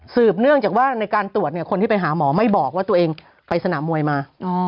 เนื่องจากว่าในการตรวจเนี่ยคนที่ไปหาหมอไม่บอกว่าตัวเองไปสนามมวยมา